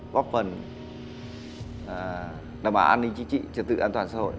góp phần đảm bảo an ninh chính trị trật tự an toàn xã hội